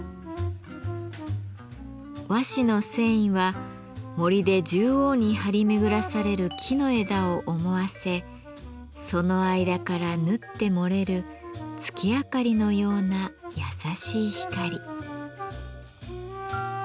和紙の繊維は森で縦横に張り巡らされる木の枝を思わせその間から縫って漏れる月明かりのような優しい光。